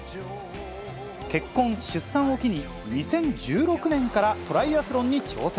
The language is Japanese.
結婚、出産を機に、２０１６年からトライアスロンに挑戦。